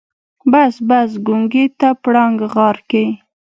بس بس ګونګي ته پړانګ غار کې.